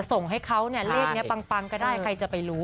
ส่งให้เขาเนี่ยเลขนี้ปังก็ได้ใครจะไปรู้